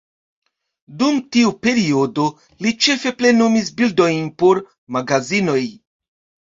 Dum tiu periodo, li ĉefe plenumis bildojn por magazinoj.